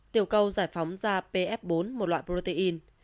tiểu cầu giải phóng ra pf bốn một loại protein